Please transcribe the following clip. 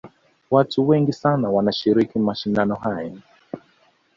watu wengi sana wanashiriki mashindano hayo